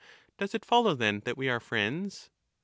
Does it follow then that we are friends